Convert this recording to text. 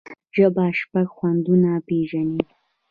ژبه شپږ خوندونه پېژني.